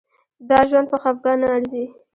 دا ژوند په خفګان نه ارزي.